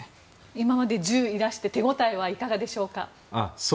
今まで１０いらして手ごたえはいかがでしょうか。